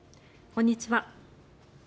こんにちは。